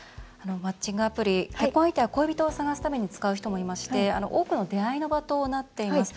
マッチングアプリ結婚相手や恋人を探すために使う人もいまして多くの出会いの場となっています。